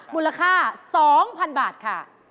บุณราคา๒๐๐๐บาทค่ะ